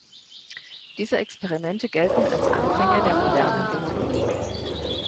Diese Experimente gelten als Anfänge der modernen Virologie.